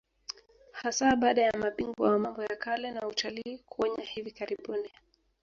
Hasa baada ya mabingwa wa mambo ya kale na utalii kuonya hivi karibuni